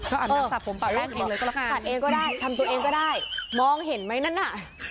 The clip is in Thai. เออถัดเองก็ได้ทำตัวเองก็ได้มองเห็นไหมนั่นน่ะ